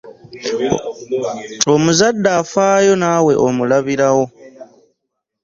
Omuzadde afaayo naawe omulabirawo.